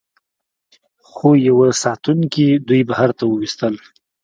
خو یوه ساتونکي دوی بهر ته وویستل